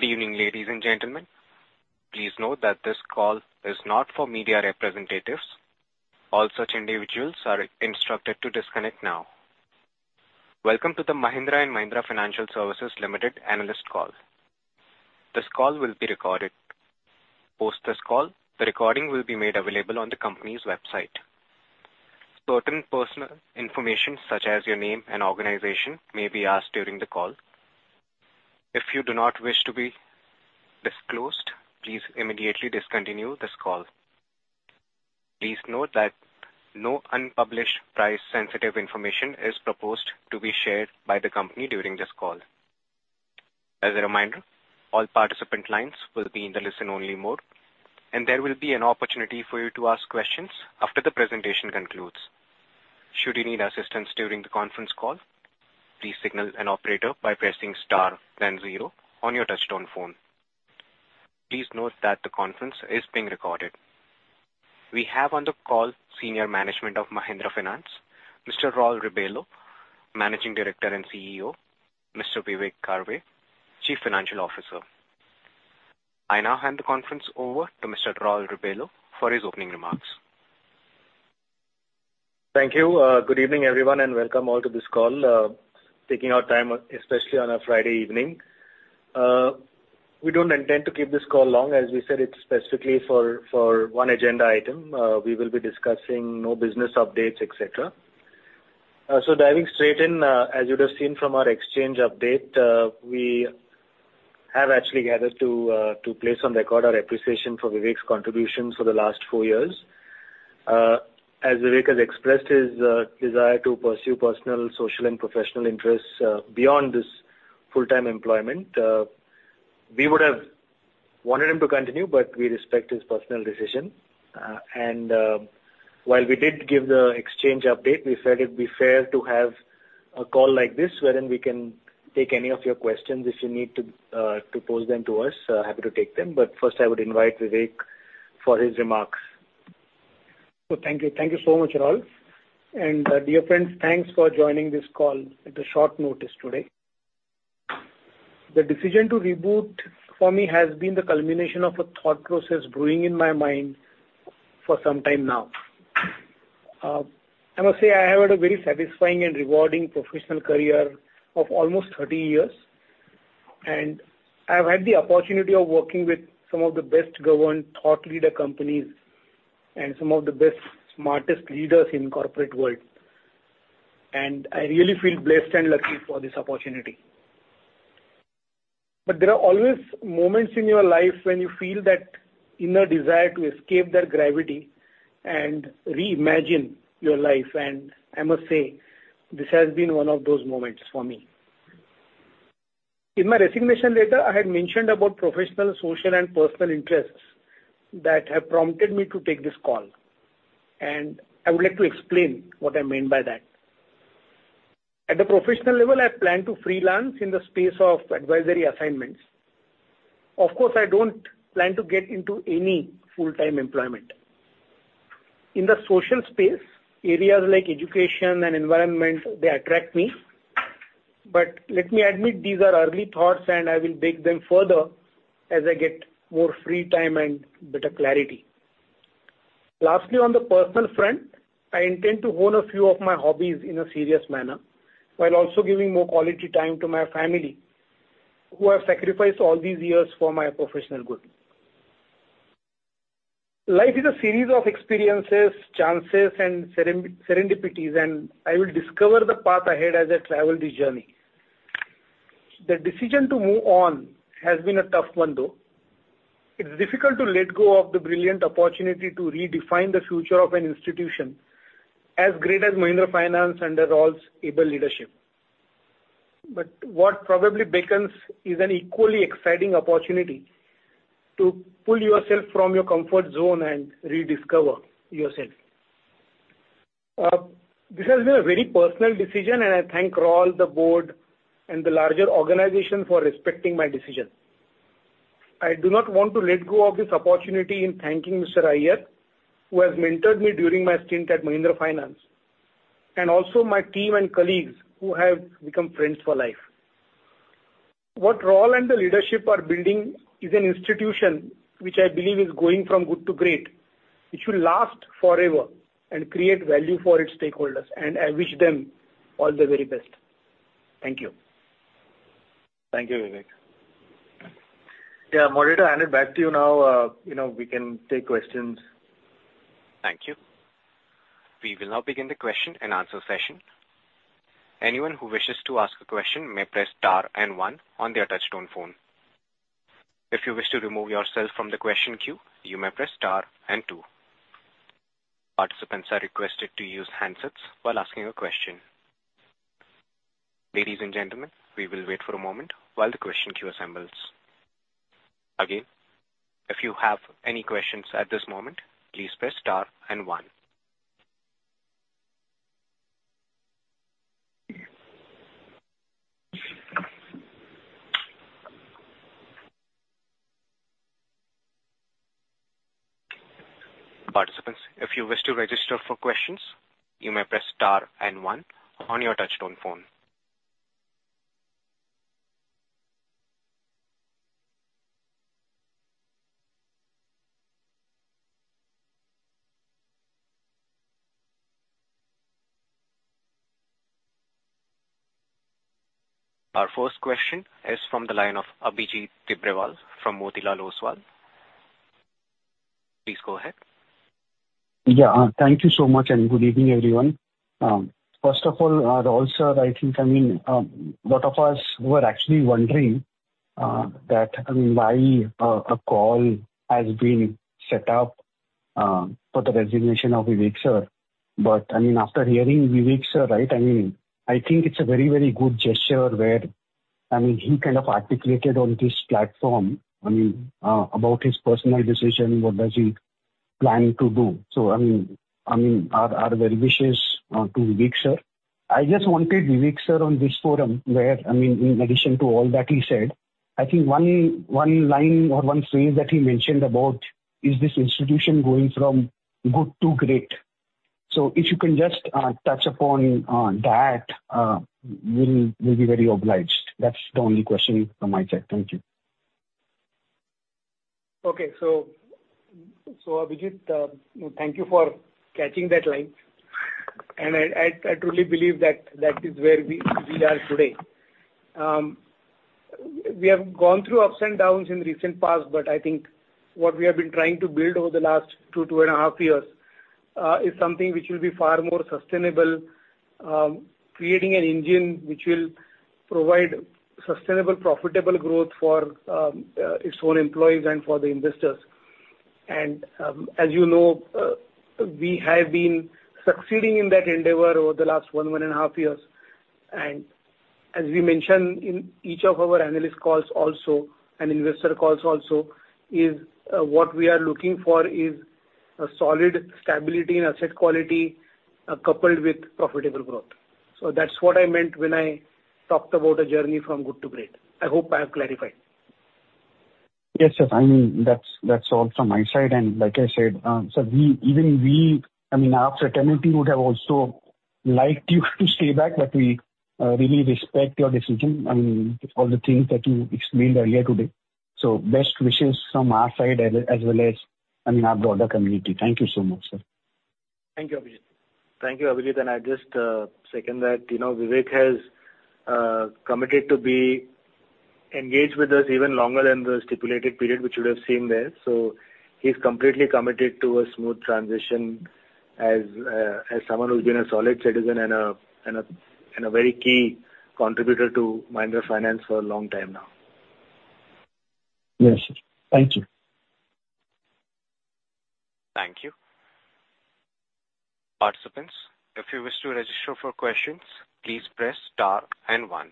Good evening, ladies and gentlemen. Please note that this call is not for media representatives. All such individuals are instructed to disconnect now. Welcome to the Mahindra & Mahindra Financial Services Limited analyst call. This call will be recorded. Post this call, the recording will be made available on the company's website. Certain personal information, such as your name and organization, may be asked during the call. If you do not wish to be disclosed, please immediately discontinue this call. Please note that no unpublished price-sensitive information is proposed to be shared by the company during this call. As a reminder, all participant lines will be in the listen-only mode, and there will be an opportunity for you to ask questions after the presentation concludes. Should you need assistance during the conference call, please signal an operator by pressing star, then zero, on your touch-tone phone. Please note that the conference is being recorded. We have on the call senior management of Mahindra Finance, Mr. Raul Rebello, Managing Director and CEO, Mr. Vivek Karve, Chief Financial Officer. I now hand the conference over to Mr. Raul Rebello for his opening remarks. Thank you. Good evening, everyone, and welcome all to this call. Taking our time, especially on a Friday evening. We don't intend to keep this call long. As we said, it's specifically for one agenda item. We will be discussing no business updates, etc. So diving straight in, as you'd have seen from our exchange update, we have actually gathered to place on record our appreciation for Vivek's contributions for the last four years. As Vivek has expressed his desire to pursue personal, social, and professional interests beyond this full-time employment, we would have wanted him to continue, but we respect his personal decision. And while we did give the exchange update, we felt it'd be fair to have a call like this wherein we can take any of your questions if you need to pose them to us. Happy to take them. But first, I would invite Vivek for his remarks. So thank you. Thank you so much, Raul. And dear friends, thanks for joining this call at a short notice today. The decision to reboot for me has been the culmination of a thought process brewing in my mind for some time now. I must say I have had a very satisfying and rewarding professional career of almost 30 years, and I've had the opportunity of working with some of the best-governed thought leader companies and some of the best, smartest leaders in the corporate world. And I really feel blessed and lucky for this opportunity. But there are always moments in your life when you feel that inner desire to escape that gravity and reimagine your life. And I must say this has been one of those moments for me. In my resignation letter, I had mentioned about professional, social, and personal interests that have prompted me to take this call, and I would like to explain what I meant by that. At the professional level, I plan to freelance in the space of advisory assignments. Of course, I don't plan to get into any full-time employment. In the social space, areas like education and environment, they attract me. But let me admit these are early thoughts, and I will bake them further as I get more free time and better clarity. Lastly, on the personal front, I intend to hone a few of my hobbies in a serious manner while also giving more quality time to my family, who I've sacrificed all these years for my professional good. Life is a series of experiences, chances, and serendipities, and I will discover the path ahead as I travel this journey. The decision to move on has been a tough one, though. It's difficult to let go of the brilliant opportunity to redefine the future of an institution as great as Mahindra Finance under Raul's able leadership. But what probably beckons is an equally exciting opportunity to pull yourself from your comfort zone and rediscover yourself. This has been a very personal decision, and I thank Raul, the board, and the larger organization for respecting my decision. I do not want to let go of this opportunity in thanking Mr. Iyer, who has mentored me during my stint at Mahindra Finance, and also my team and colleagues who have become friends for life. What Raul and the leadership are building is an institution which I believe is going from good to great, which will last forever and create value for its stakeholders. I wish them all the very best. Thank you. Thank you, Vivek. Yeah, Moderator, hand it back to you now. We can take questions. Thank you. We will now begin the question and answer session. Anyone who wishes to ask a question may press star and one on their touch-tone phone. If you wish to remove yourself from the question queue, you may press star and two. Participants are requested to use handsets while asking a question. Ladies and gentlemen, we will wait for a moment while the question queue assembles. Again, if you have any questions at this moment, please press star and one. Participants, if you wish to register for questions, you may press star and one on your touch-tone phone. Our first question is from the line of Abhijit Tibrewal from Motilal Oswal. Please go ahead. Yeah, thank you so much, and good evening, everyone. First of all, Raul sir, I think, I mean, a lot of us were actually wondering that, I mean, why a call has been set up for the resignation of Vivek sir. But, I mean, after hearing Vivek sir, right, I mean, I think it's a very, very good gesture where, I mean, he kind of articulated on this platform, I mean, about his personal decision, what does he plan to do. So, I mean, our very wishes to Vivek sir. I just wanted Vivek sir on this forum where, I mean, in addition to all that he said, I think one line or one phrase that he mentioned about is this institution going from good to great. So if you can just touch upon that, we'll be very obliged. That's the only question from my side. Thank you. Okay. So, Abhijit, thank you for catching that line. I truly believe that that is where we are today. We have gone through ups and downs in the recent past, but I think what we have been trying to build over the last 2, 2.5 years is something which will be far more sustainable, creating an engine which will provide sustainable, profitable growth for its own employees and for the investors. As you know, we have been succeeding in that endeavor over the last 1, 1.5 years. As we mentioned in each of our analyst calls also, and investor calls also, what we are looking for is a solid stability in asset quality coupled with profitable growth. So that's what I meant when I talked about a journey from good to great. I hope I have clarified. Yes, sir. I mean, that's all from my side. And like I said, sir, even we, I mean, our fraternity would have also liked you to stay back, but we really respect your decision, I mean, all the things that you explained earlier today. So best wishes from our side as well as, I mean, our broader community. Thank you so much, sir. Thank you, Abhijit. Thank you, Abhijit. And I just second that Vivek has committed to be engaged with us even longer than the stipulated period which we have seen there. So he's completely committed to a smooth transition as someone who's been a solid citizen and a very key contributor to Mahindra Finance for a long time now. Yes, sir. Thank you. Thank you. Participants, if you wish to register for questions, please press star and one.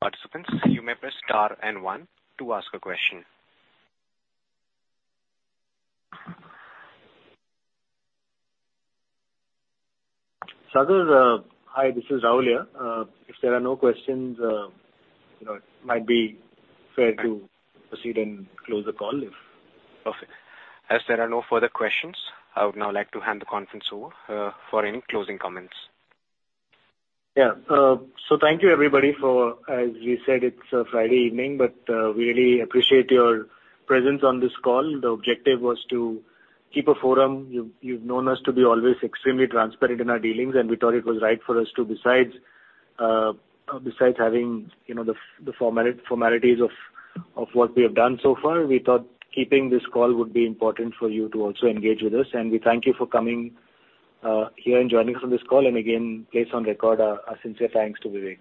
Participants, you may press star and one to ask a question. Sadhguru, hi, this is Raul here. If there are no questions, it might be fair to proceed and close the call if. Perfect. As there are no further questions, I would now like to hand the conference over for any closing comments. Yeah. So thank you, everybody, for, as we said, it's Friday evening, but we really appreciate your presence on this call. The objective was to keep a forum. You've known us to be always extremely transparent in our dealings, and we thought it was right for us to, besides having the formalities of what we have done so far, we thought keeping this call would be important for you to also engage with us. And we thank you for coming here and joining us on this call. And again, placed on record our sincere thanks to Vivek.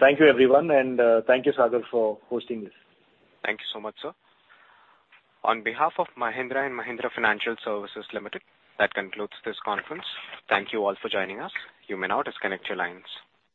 Thank you, everyone, and thank you, Sadhguru, for hosting this. Thank you so much, sir. On behalf of Mahindra & Mahindra Financial Services Limited, that concludes this conference. Thank you all for joining us. You may now disconnect your lines.